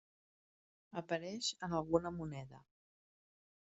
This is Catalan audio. Apareix en alguna moneda.